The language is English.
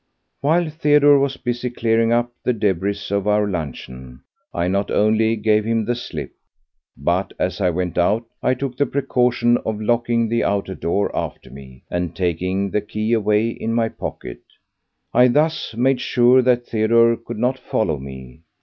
While Theodore was busy clearing up the debris of our luncheon, I not only gave him the slip, but as I went out I took the precaution of locking the outer door after me, and taking the key away in my pocket. I thus made sure that Theodore could not follow me.